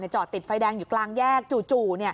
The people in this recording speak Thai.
จอดติดไฟแดงอยู่กลางแยกจู่